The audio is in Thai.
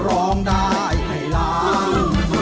ร้องได้ให้ล้าน